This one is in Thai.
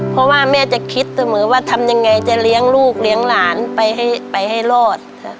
เพราะว่าแม่จะคิดเสมอว่าทำยังไงจะเลี้ยงลูกเลี้ยงหลานไปให้รอด